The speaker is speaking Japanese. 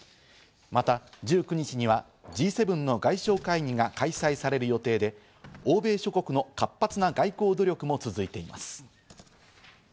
また１９日にはＧ７の外相会議が開催される予定で、欧米諸国の活発な外交努力も続いています。